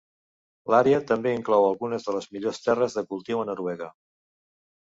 L'àrea també inclou algunes de les millors terres de cultiu a Noruega.